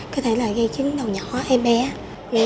có thể là gây chứng đầu nhỏ hay bé